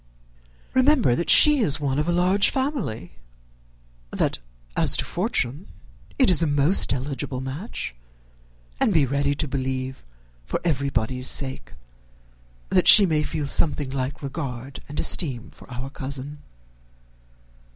Remember that she is one of a large family; that as to fortune it is a most eligible match; and be ready to believe, for everybody's sake, that she may feel something like regard and esteem for our cousin."